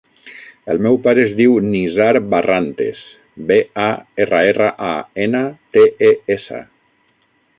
El meu pare es diu Nizar Barrantes: be, a, erra, erra, a, ena, te, e, essa.